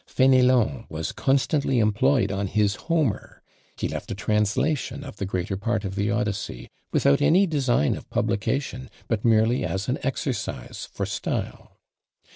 Fénélon was constantly employed on his Homer; he left a translation of the greater part of the Odyssey, without any design of publication, but merely as an exercise for style.